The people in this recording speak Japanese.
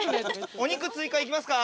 お肉追加いきますか？